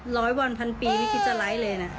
ร้อยวันพันปีไม่คิดจะไลค์เลยนะ